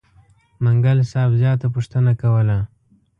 منګل صاحب زیاته پوښتنه کوله.